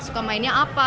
suka mainnya apa